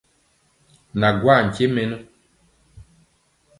Na gwaa nkye mɛnɔ.